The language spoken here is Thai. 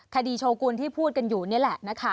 โชกุลที่พูดกันอยู่นี่แหละนะคะ